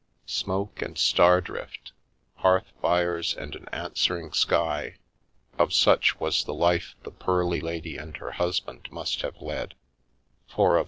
Smoke and stardrift — hearth fires and an answering sky — of such was the life the pearly lady and her husband must have led, for of such